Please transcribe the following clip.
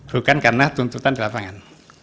bukan karena tuntutan di lapangan